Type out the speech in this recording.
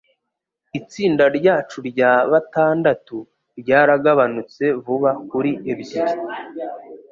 Itsinda ryacu rya batandatu ryaragabanutse vuba kuri ebyiri